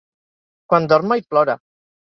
Quan dorm mai plora.